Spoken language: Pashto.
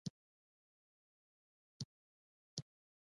شل کاله ملک صاحب زموږ پلرنۍ ځمکه نیولې وه.